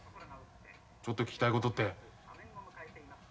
ちょっと聞きたいことって。